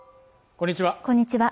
こんにちは